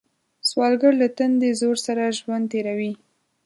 سوالګر له تندي زور سره ژوند تېروي